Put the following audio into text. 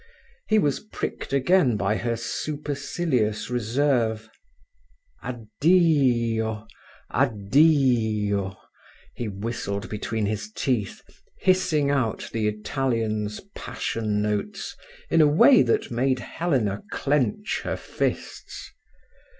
He was pricked again by her supercilious reserve. "Addi i i i o, Addi i i o!" he whistled between his teeth, hissing out the Italian's passion notes in a way that made Helena clench her fists.